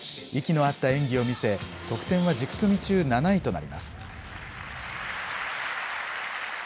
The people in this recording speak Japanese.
息の合った演技を見せ、得点は１０組中７位となります。